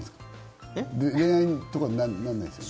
恋愛とかにならないんですか？